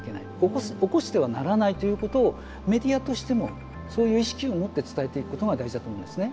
起こしてはならないということをメディアとしてもそういう意識を持って伝えていくことが大事だと思うんですね。